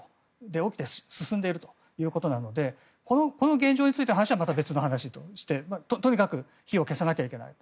起きて進んでいるということなのでこの現状についてはまた別の話でとにかく火を消さないといけない。